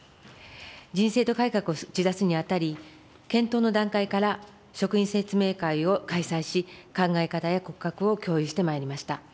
人事制度改革を打ち出すにあたり、検討の段階から職員説明会を開催し、考え方や骨格を共有してまいりました。